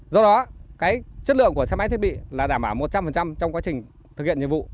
do đó cái chất lượng của xe máy thiết bị là đảm bảo một trăm linh trong quá trình thực hiện nhiệm vụ